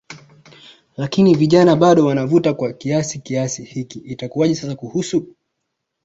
lakini vijana bado wanavuta kwa kasi kiasi hiki itakuaje sasa kuhusu